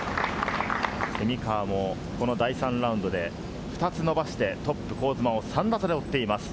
蝉川もこの第３ラウンドで２つ伸ばして、トップ香妻を３打差で追っています。